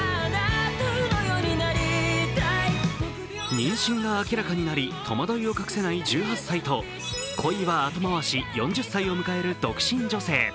妊娠が明らかになり、戸惑いを隠せない１８歳と、恋は後回し、４０歳を迎える独身女性。